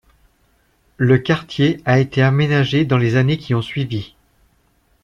Le quartier a été aménagé dans les années qui ont suivi.